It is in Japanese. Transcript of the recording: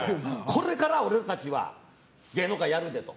これから俺たちは芸能界をやるんやでと。